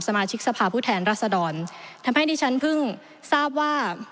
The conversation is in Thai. มาชิกสภาพผู้แทนรัศดรทำให้ดิฉันเพิ่งทราบว่า